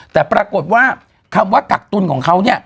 แต่ปรากฏว่าคำว่ากักตุลของเขาเนี่ย